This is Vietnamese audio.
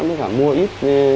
mới cả mua ít